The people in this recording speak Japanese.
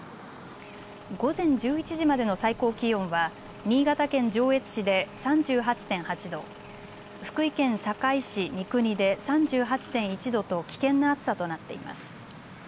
午前１１時までの最高気温は新潟県上越市で３８．８度、福井県坂井市三国で３８．１度と危険な暑さとなっています。